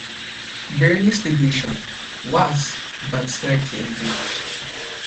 Birney's Division was but slightly engaged.